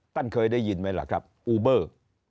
ท่านเคยได้ยินไหมล่ะครับอูเบอร์